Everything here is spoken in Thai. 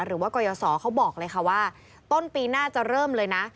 หรือว่ากรยาศรเขาบอกเลยว่าต้นปีหน้าจะเริ่มเลยนะ